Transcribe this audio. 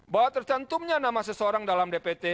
bahwa tercantumnya nama seseorang dalam dpt